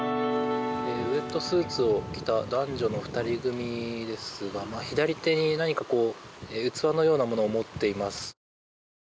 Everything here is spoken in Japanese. ウェットスーツを着た男女の２人組ですが左手に何か器のようなものを持っています。